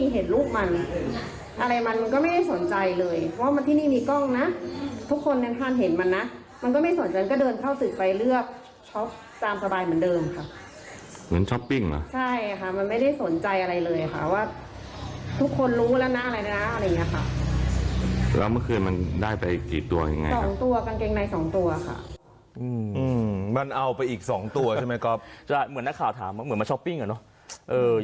เหมือนนักข่าวถามเหมือนมาช้อปปิ้งอ่ะเนอะ